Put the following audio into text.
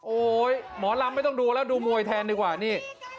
โอ้โหหมอลำไม่ต้องดูแล้วดูมวยแทนดีกว่านี่